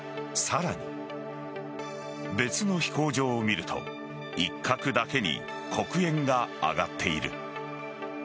さらに別の飛行場を見ると一角だけに黒煙が上がっている。